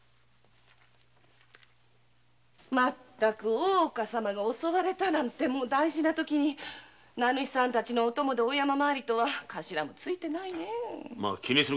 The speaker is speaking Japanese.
大岡様が襲われた大事な時に名主さんたちのお供で大山参りとは頭もツイてないねえ。